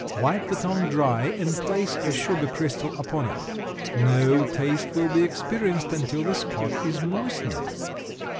Wipe the tongue dry and place a sugar crystal upon it. No taste will be experienced until the spot is moistened.